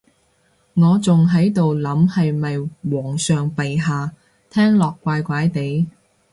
我仲喺度諗係咪皇上陛下，聽落怪怪哋